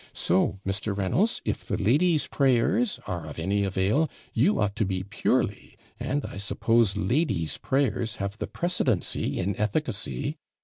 So, Mr. Reynolds, if the ladies' prayers are of any avail, you ought to be purely, and I suppose ladies' prayers have the precedency in efficacy.